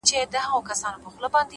پیاوړی ذهن ستونزې فرصتونه ګڼي،